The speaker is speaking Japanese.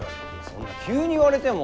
そんな急に言われても！